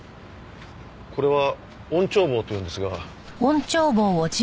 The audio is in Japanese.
これは音聴棒というんですが。